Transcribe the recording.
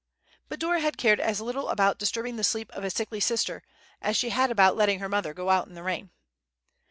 But Dora had cared as little about disturbing the sleep of a sickly sister as she had about letting her mother go out in the rain.